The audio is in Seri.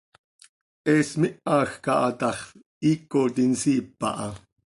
He smihaj caha tax, hiicot insiip aha.